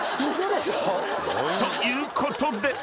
［ということで］